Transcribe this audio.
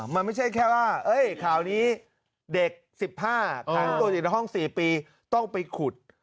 มันไม่ใช่แค่ว่าข่าวนี้เด็ก๑๕ขังตัวอยู่ในห้อง๔ปีต้องไปขุด